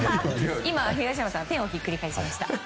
今、東山さんは手をひっくり返しました。